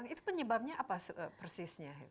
itu penyebabnya apa persisnya